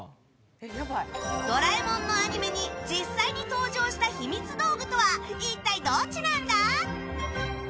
「ドラえもん」のアニメに実際に登場したひみつ道具とは一体どっちなんだ？